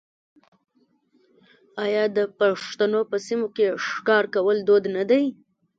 آیا د پښتنو په سیمو کې ښکار کول دود نه دی؟